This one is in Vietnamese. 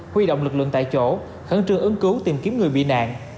huy động lực lượng tại chỗ khẩn trương ứng cứu tìm kiếm người bị nạn